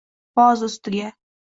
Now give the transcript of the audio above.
Boz ustiga